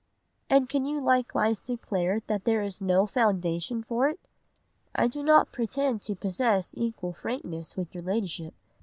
"'And can you likewise declare there is no foundation for it?' "'I do not pretend to possess equal frankness with your Ladyship.